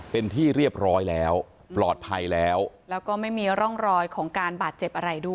เป็นที่เรียบร้อยแล้วปลอดภัยแล้วแล้วก็ไม่มีร่องรอยของการบาดเจ็บอะไรด้วย